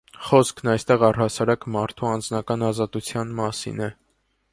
Խոսքն այստեղ առհասարակ մարդու անձնական ազատության մասին է։